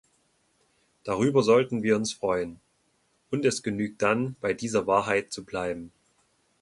Darüber sollten wir uns freuen, und es genügt dann, bei dieser Wahrheit zu bleiben!